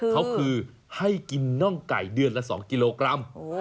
เขาคือให้กินน่องไก่เดือนละ๒กิโลกรัม